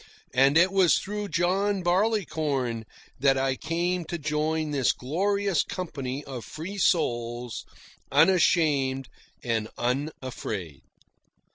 And it was through John Barleycorn that I came to join this glorious company of free souls, unashamed and unafraid.